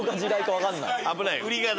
危ない。